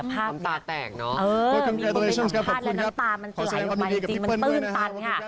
มีบุคคลิปของพ่อและน้ำตามันสลายออกมาจริงมันตื้นตันค่ะ